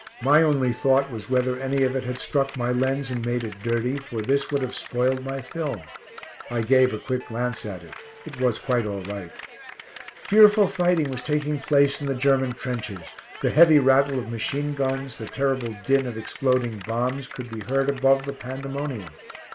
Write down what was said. My only thought was whether any of it had struck my lens and made it dirty, for this would have spoiled my film. I gave a quick glance at it. It was quite all right. Fearful fighting was taking place in the German trenches. The heavy rattle of machine guns, the terrible din of exploding bombs, could be heard above the pandemonium.